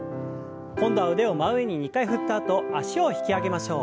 今度は腕を真上に２回振ったあと脚を引き上げましょう。